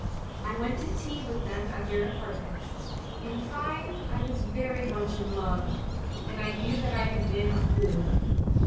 I went to tea with them at their apartments. In fine, I was very much in love, and I knew that I had been a fool.